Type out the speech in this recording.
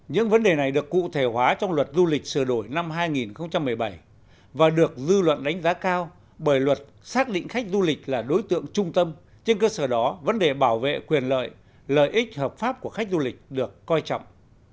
những vấn đề này được cụ thể hóa trong luật du lịch sửa đổi năm hai nghìn một mươi bảy và được dư luận đánh giá cao bởi luật xác định khách du lịch là đối tượng trung tâm trên cơ sở đó vấn đề bảo vệ quyền lợi lợi ích hợp pháp của khách du lịch được coi trọng